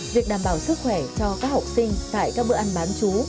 việc đảm bảo sức khỏe cho các học sinh tại các bữa ăn bán chú